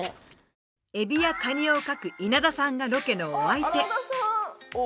エビやカニを描く稲田さんがロケのお相手。